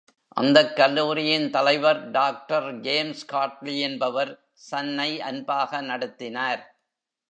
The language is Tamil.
அந்தக் கல்லூரியின் தலைவர் டாக்டர் ஜேம்ஸ்காட்லி என்பவர் சன்னை அன்பாக நடத்தினார்.